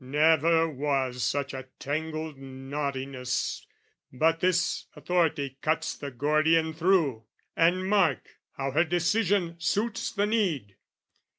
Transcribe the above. "Never was such a tangled knottiness, "But thus authority cuts the Gordian through, "And mark how her decision suits the need!